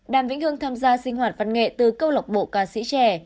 đàm vĩnh hưng tham gia sinh hoạt văn nghệ từ câu lọc bộ ca sĩ trẻ